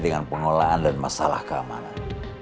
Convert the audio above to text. dengan pengelolaan dan masalah keamanan